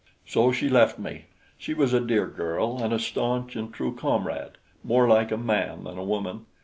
So she left me. She was a dear girl and a stanch and true comrade more like a man than a woman.